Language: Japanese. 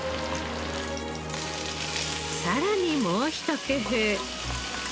さらにもうひと工夫。